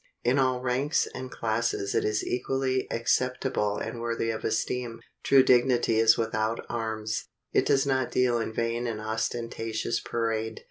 In all ranks and classes it is equally acceptable and worthy of esteem. True dignity is without arms. It does not deal in vain and ostentatious parade.